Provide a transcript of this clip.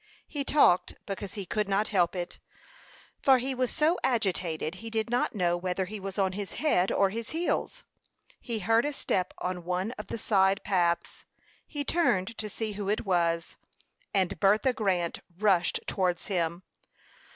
He talked because he could not help it; for he was so agitated he did not know whether he was on his head or his heels. He heard a step on one of the side paths. He turned to see who it was, and Bertha Grant rushed towards him.